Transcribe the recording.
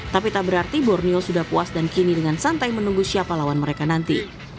tapi tak berarti borneo sudah puas dan kini dengan santai menunggu siapa lawan mereka nanti